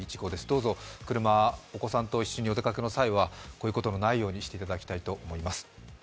どうぞ車でお子さんと一緒にお出かけの際はこういうことのないようにしていただきたいと思います。